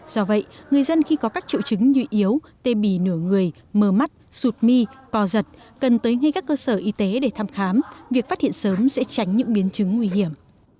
do vậy người dân khi có các triệu chứng như yếu tê bì nửa người mờ mắt sụt mi co giật cần tới ngay các cơ sở y tế để thăm khám việc phát hiện sớm sẽ tránh những biến chứng nguy hiểm